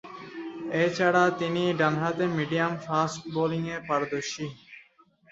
এছাড়াও তিনি ডানহাতে মিডিয়াম-ফাস্ট বোলিংয়েও পারদর্শী।